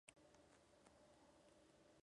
Su hermano era cardenal.